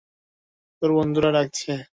তোর বন্ধুরা ডাকছে।